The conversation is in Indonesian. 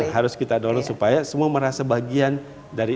harus kita dorong supaya semua merasa bagian dari